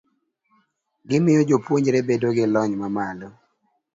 gimiyo jopuonjre bedo gi lony mamalo.